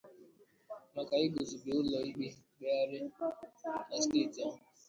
maka igùzòbè ụlọ ikpe mkpegharị na steeti ahụ